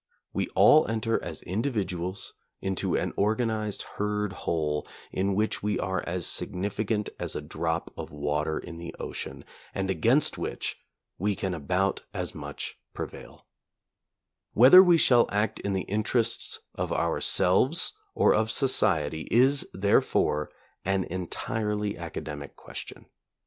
We all enter as individuals into an organized herd whole in which we are as significant as a drop of water in the ocean, and against which we can about as much prevail^ Whether we shall act in the in terests of ourselves or of society is, therefore, an entirely academic question.